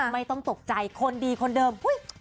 ไม่ต้องตกใจคนดีคนเดิม